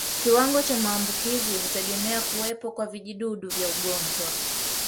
Kiwango cha maambukizi hutegemea kuwepo kwa vijidudu vya ugonjwa